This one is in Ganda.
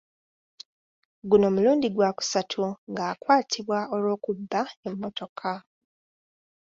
Guno mulundi gwa kusatu ng'akwatibwa olw'okubba emmotoka.